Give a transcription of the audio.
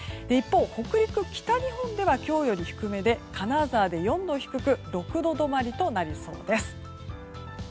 一方、北陸、北日本では今日よりも低めで金沢で４度低く６度止まりとなりそうです。